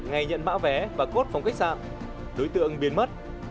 ngày nhận mã vé và cốt phòng khách sạn đối tượng biến mất